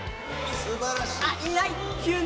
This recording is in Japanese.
すばらしい！